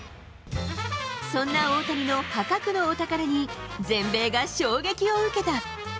そんな大谷の破格のお宝に、全米が衝撃を受けた。